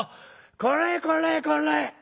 「これこれこれ！